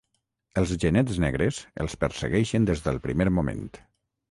Els Genets Negres els persegueixen des del primer moment.